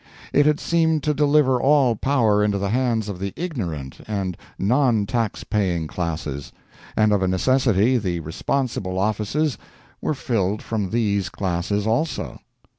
It had seemed to deliver all power into the hands of the ignorant and non tax paying classes; and of a necessity the responsible offices were filled from these classes also.